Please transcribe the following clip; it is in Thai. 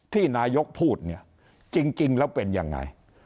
ที่นายกพูดเนี่ยจริงแล้วเป็นยังไง